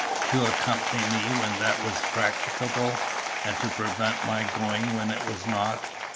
to accompany me when that was practicable, and to prevent my going when it was not?